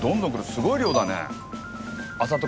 すごい量だね。